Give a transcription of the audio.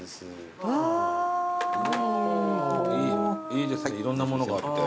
いいですねいろんなものがあって。